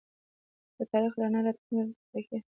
د تاریخ رڼا راتلونکی ټاکي.